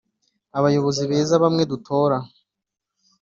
abayobozi beza bamwe dutora